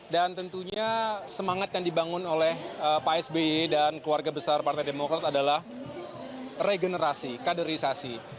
dan tentunya semangat yang dibangun oleh pak sbe dan keluarga besar partai demokrat adalah regenerasi kaderisasi